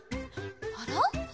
あら？